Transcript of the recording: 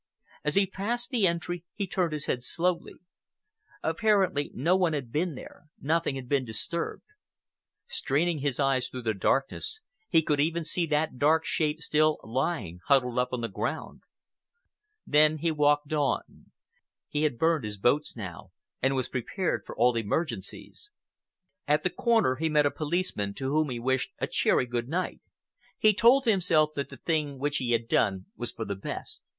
As he passed the entry he turned his head slowly. Apparently no one had been there, nothing had been disturbed. Straining his eyes through the darkness, he could even see that dark shape still lying huddled up on the ground. Then he walked on. He had burned his boats now and was prepared for all emergencies. At the corner he met a policeman, to whom he wished a cheery good night. He told himself that the thing which he had done was for the best.